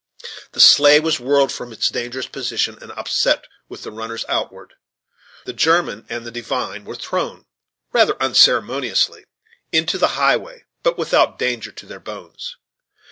The sleigh was whirled from its dangerous position, and upset, with the runners outward. The German and the divine were thrown, rather unceremoniously, into the highway, but without danger to their bones.